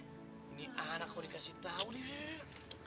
ini anak kalo dikasih tau nih